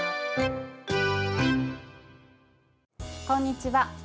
こんにちは。